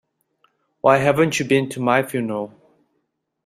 Why haven't you been to my funeral?